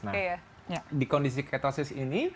nah di kondisi ketosis ini